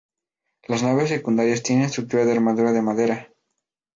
Las naves secundarias tienen estructura de armadura de madera.